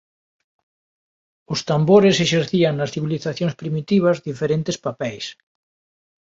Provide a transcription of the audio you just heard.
Os tambores exercían nas civilizacións primitivas diferentes papeis.